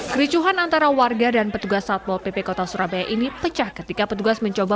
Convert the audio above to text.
kericuhan antara warga dan petugas satpol pp kota surabaya ini pecah ketika petugas mencoba